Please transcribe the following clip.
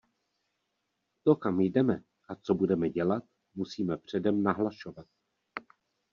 To, kam jdeme a co budeme dělat, musíme předem nahlašovat.